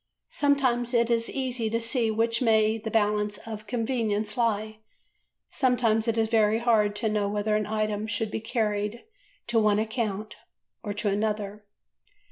Sometimes it is easy to see which way the balance of convenience lies, sometimes it is very hard to know whether an item should be carried to one account or to another."